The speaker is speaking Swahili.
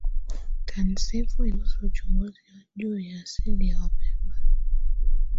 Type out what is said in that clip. Tasnifu inahusu uchunguzi juu ya Asili ya Wapemba